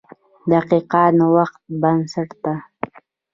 • دقیقه د نوښت بنسټ ده.